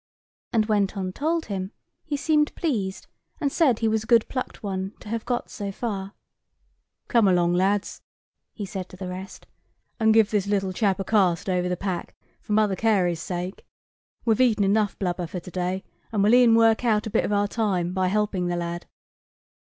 And, when Tom told him, he seemed pleased, and said he was a good plucked one to have got so far. "Come along, lads," he said to the rest, "and give this little chap a cast over the pack, for Mother Carey's sake. We've eaten blubber enough for to day, and we'll e'en work out a bit of our time by helping the lad."